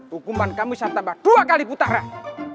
hukuman kami saya tambah dua kali putaran